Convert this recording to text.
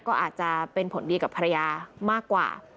ก็อาจจะเป็นผลดีกับภรรยามากกว่า